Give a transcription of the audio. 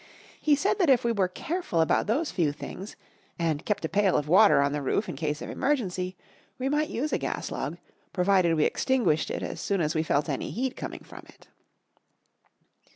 He had said that if we were careful about those few things, and kept a pail of water on the roof in case of emergency, we might use a gas log, provided we extinguished it as soon as we felt any heat coming from it.